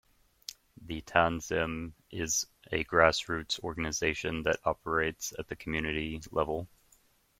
The Tanzim is a grass roots organization that operates at the community level.